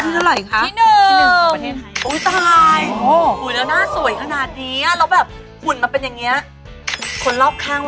ที่เท่าไหร่